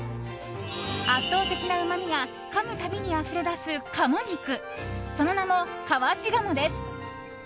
圧倒的なうまみがかむ度にあふれ出す鴨肉その名も、河内鴨です。